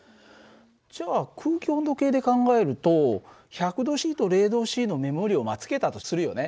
じゃあ空気温度計で考えると１００℃と０℃の目盛りをつけたとするよね。